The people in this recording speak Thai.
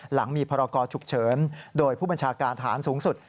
หลังมีพรกรฉุกเฉินโดยผู้บัญชาการฐานสูงสุด